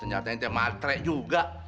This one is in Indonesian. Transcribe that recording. ternyata ente maltrek juga